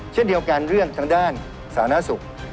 เช่นเดียวกันเรื่องทางด้านสาธารณสุข